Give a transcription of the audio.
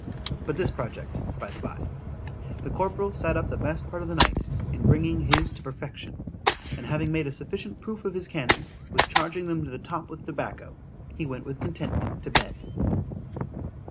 —— ——But this project, by the bye. The corporal sat up the best part of the night, in bringing his to perfection; and having made a sufficient proof of his cannon, with charging them to the top with tobacco,—he went with contentment to bed.